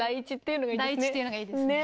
第１っていうのがいいですね。